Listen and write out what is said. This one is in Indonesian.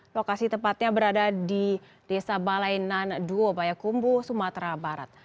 lokasi tepatnya berada di desa balenan duo payakumbu sumatera barat